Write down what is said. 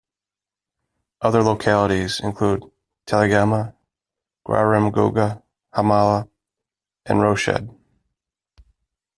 Other localities include Teleghma, Grarem Gouga, Hamala and Rouached.